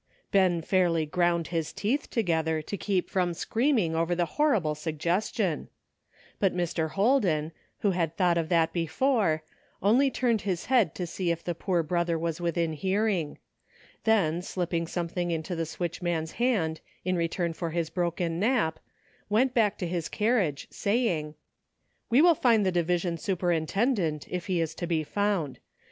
Ben fairly ground his teeth together to keep from screaming over the horrible suggestion ! But Mr. Holden, who had thought of that be fore, only turned his head to see if the poor brother was within hearing; then, slipping some thing into the switchman's hand in return for 69 70 A NEW FRIEND. his broken nap, went back to his carriage, say ing, " We will find the division superintendent, if he is to be found.